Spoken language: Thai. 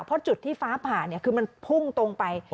เพราะจุดที่ฟ้าผ่าคือมันพุ่งตรงไป